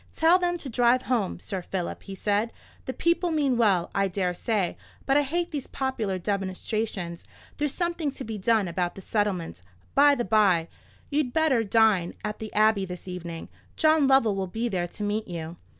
"Tell them to drive home, Sir Philip," he said. "The people mean well, I dare say; but I hate these popular demonstrations. There's something to be done about the settlements, by the bye; you'd better dine at the Abbey this evening. John Lovell will be there to meet you."